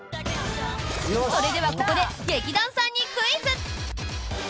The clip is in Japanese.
それではここで劇団さんにクイズ！